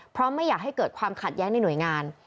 เพราะไม่อยากให้เกิดความขัดแย้งในหน่วยงาน